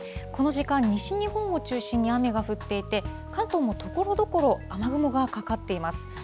この時間、西日本を中心に雨が降っていて、関東もところどころ、雨雲がかかっています。